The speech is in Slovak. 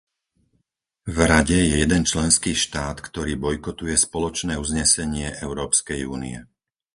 V Rade je jeden členský štát, ktorý bojkotuje spoločné uznesenie Európskej únie.